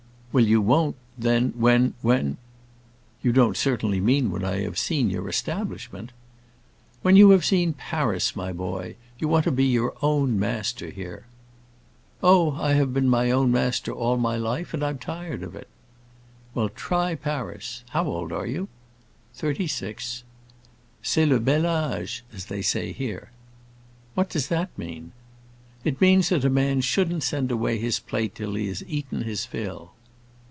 "Well, you won't, then, when—when—" "You don't certainly mean when I have seen your establishment?" "When you have seen Paris, my boy. You want to be your own master here." "Oh, I have been my own master all my life, and I'm tired of it." "Well, try Paris. How old are you?" "Thirty six." "C'est le bel âge, as they say here." "What does that mean?" "It means that a man shouldn't send away his plate till he has eaten his fill."